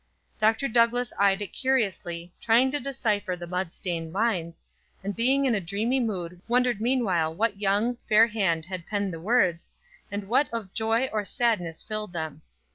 Dr. Douglass eyed it curiously, trying to decipher the mud stained lines, and being in a dreamy mood wondered meanwhile what young, fair hand had penned the words, and what of joy or sadness filled them.